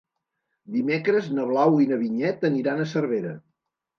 Dimecres na Blau i na Vinyet aniran a Cervera.